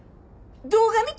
動画見た？